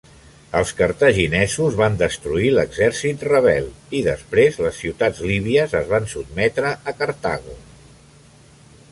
Els cartaginesos van destruir l'exèrcit rebel, i després les ciutats líbies es van sotmetre a Cartago.